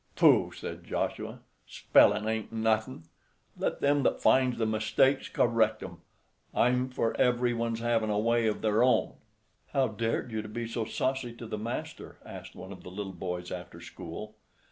"Pooh!" said Joshua, "spellin' ain't nothin'; let them that finds the mistakes correct 'em. I'm for every one's havin' a way of their own." "How dared you be so saucy to the master?" asked one of the little boys, after school.